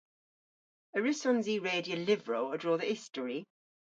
A wrussons i redya lyvrow a-dro dhe istori?